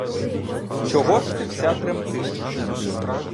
Чого ж ти вся тремтиш?